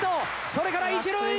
それから一塁へ！